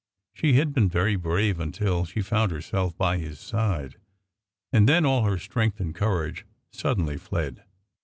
She had been very brave until she found herself by his side. And then all her strength and courage suddenly fled.